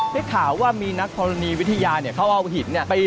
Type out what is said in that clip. ได้ข่าวว่ามีนักธรณีวิทยาเนี่ยเขาเอาหินเนี่ย